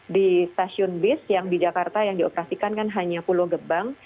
di stasiun bis yang di jakarta yang dioperasikan kan hanya pulau gebang